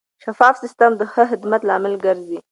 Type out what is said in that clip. شفاف سیستم د ښه خدمت لامل ګرځي.